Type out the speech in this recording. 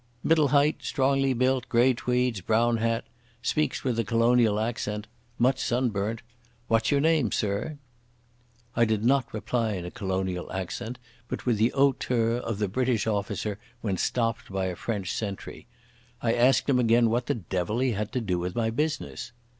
"Middle height—strongly built—grey tweeds—brown hat—speaks with a colonial accent—much sunburnt. What's your name, sir?" I did not reply in a colonial accent, but with the hauteur of the British officer when stopped by a French sentry. I asked him again what the devil he had to do with my business.